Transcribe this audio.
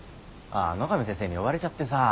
ああ野上先生に呼ばれちゃってさ。